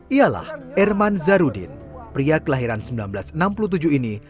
ialah erman zarudin pria kelahiran seribu sembilan ratus enam puluh tujuh ini